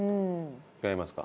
違いますか？